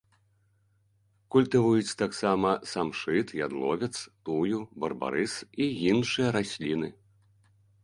Культывуюць таксама самшыт, ядловец, тую, барбарыс і іншыя расліны.